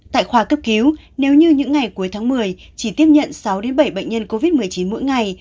tại khoa cấp cứu nếu như những ngày cuối tháng một mươi chỉ tiếp nhận sáu bảy bệnh nhân covid một mươi chín mỗi ngày